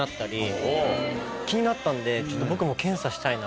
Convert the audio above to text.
気になったんで僕も。